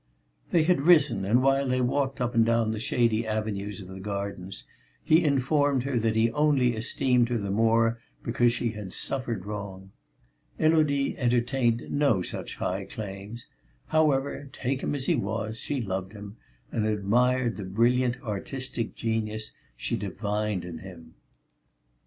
They had risen, and while they walked up and down the shady avenues of the gardens, he informed her that he only esteemed her the more because she had suffered wrong, Élodie entertained no such high claims; however, take him as he was, she loved him, and admired the brilliant artistic genius she divined in him.